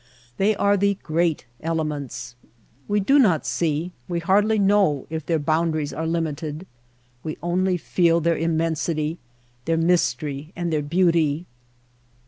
They are the great elements. We do not see, we hardly know if their boun daries are limited ; we only feel their immen sity, their mystery, and their beauty.